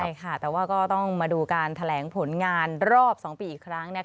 ใช่ค่ะแต่ว่าก็ต้องมาดูการแถลงผลงานรอบ๒ปีอีกครั้ง